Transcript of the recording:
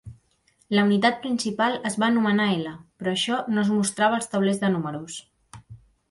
La unitat principal es va anomenar "L", però això no es mostrava als taulers de números.